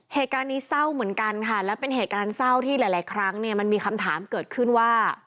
เหตุการณ์นี้เศร้าเหมือนกันค่ะและเป็นเหตุการณ์เศร้าที่หลายครั้งเนี่ยมันมีคำถามเกิดขึ้นว่า